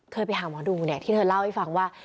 ไปหาหมอดูเนี่ยที่เธอเล่าให้ฟังว่า